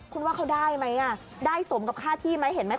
คุณว่าเขาได้ไหมได้สมกับค่าที่ไหมเห็นไหม